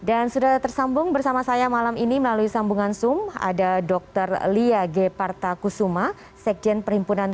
assalamualaikum mbak husya